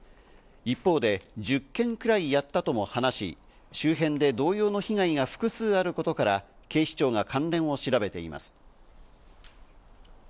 一方で１０件くらいやったとも話し、周辺で同様の被害が複数あることから、警視庁が関連を調べています。